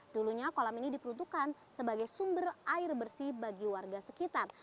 dulunya kolam ini diperuntukkan sebagai sumber air bersih bagi warga sekitar